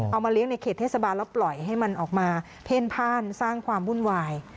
เอามาเลี้ยงในเขตเทศบาลแล้วปล่อยให้มันออกมาเพ่นพ่านสร้างความวุ่นวาย